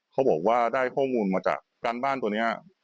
เขาบอกว่าได้ข้อมูลมาจากการบ้านตัวนี้